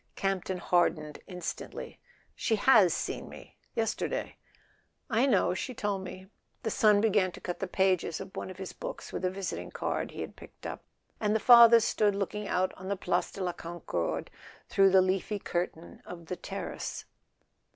Campton hardened instantly. "She has seen me— yesterday." "I know; she told me." The son began to cut the pages of one of his books with a visiting card he had picked up, and the father stood looking out on the Place de la Concorde through the leafy curtain of the terrace.